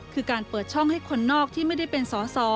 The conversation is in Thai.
คือการเปิดช่องให้คนนอกที่ไม่ได้เป็นสอสอ